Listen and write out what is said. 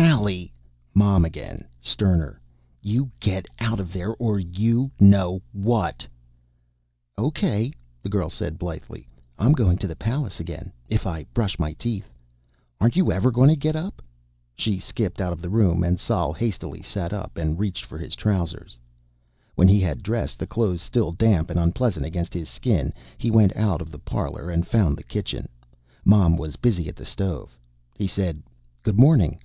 "Sally!" Mom again, sterner. "You get out of there, or you know what ..." "Okay," the girl said blithely. "I'm goin' to the palace again. If I brush my teeth. Aren't you ever gonna get up?" She skipped out of the room, and Sol hastily sat up and reached for his trousers. When he had dressed, the clothes still damp and unpleasant against his skin, he went out of the parlor and found the kitchen. Mom was busy at the stove. He said: "Good morning."